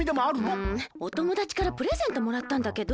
うんおともだちからプレゼントもらったんだけど。